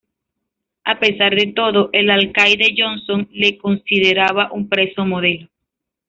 A pesar de todo, el alcaide Johnson le consideraba un preso modelo.